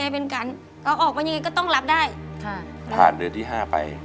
ผ่านเดือนที่ห้าไป